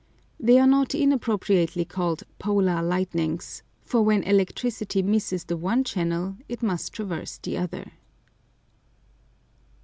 They are not inappropriately called "Polar lightnings," for when electricity misses the one channel it must traverse the other.